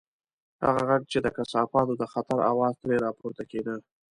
هغه غږ چې د کثافاتو د خطر اواز ترې راپورته کېده.